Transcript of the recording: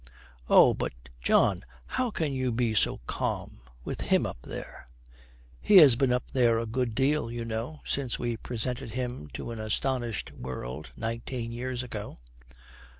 'Oh, but, John, how can you be so calm with him up there?' 'He has been up there a good deal, you know, since we presented him to an astounded world nineteen years ago.'